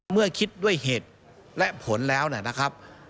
เมื่อคิดด้วยเหตุและผลแล้วนะครับ